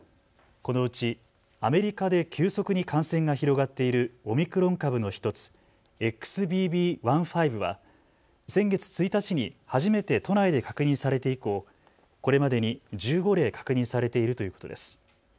このうちアメリカで急速に感染が広がっているオミクロン株の１つ、ＸＢＢ．１．５は先月１日に初めて都内で確認されて以降、これまでに１５例確認されているということです。